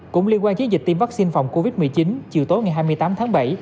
cũng liên quan chiến dịch tiêm vaccine phòng covid một mươi chín chiều tối ngày hai mươi tám tháng bảy